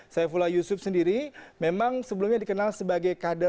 saifullah yusuf sendiri memang sebelumnya dikenal sebagai kader